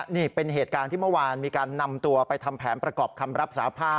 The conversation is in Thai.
นี่เป็นเหตุการณ์ที่เมื่อวานมีการนำตัวไปทำแผนประกอบคำรับสาภาพ